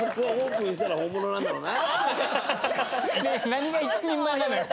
何が一人前なのよ